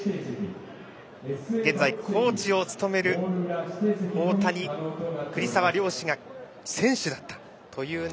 現在コーチを務める大谷、栗澤の両氏が選手だったという。